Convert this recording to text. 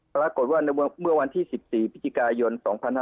ปรากฏว่าในเมื่อวันที่๑๔พฤศจิกายน๒๕๕๙